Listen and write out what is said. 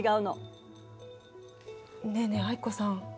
ねえねえ藍子さん。